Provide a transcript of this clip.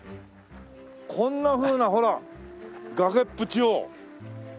こんなふうなほら崖っぷちを。